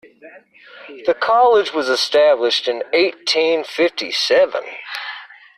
The college was established in eighteen fifty seven.